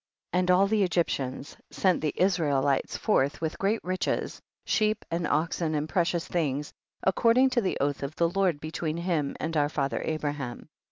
59. And all the Egyptians sent the Israelites forth, with great riches, sheep and oxen and precious things, according to the oath of the Lord between him and our father Abra ham.